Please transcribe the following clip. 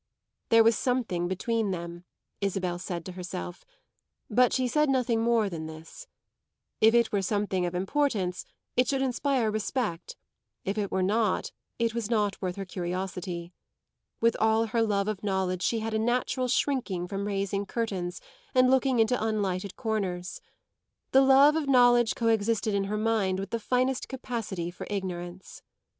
There was something between them, Isabel said to herself, but she said nothing more than this. If it were something of importance it should inspire respect; if it were not it was not worth her curiosity. With all her love of knowledge she had a natural shrinking from raising curtains and looking into unlighted corners. The love of knowledge coexisted in her mind with the finest capacity for ignorance.